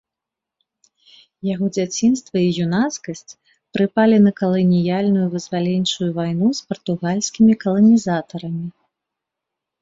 Яго дзяцінства і юнацкасць прыпалі на каланіяльную вызваленчую вайну з партугальскімі каланізатарамі.